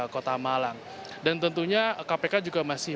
kota malang dan tentunya kpk juga masih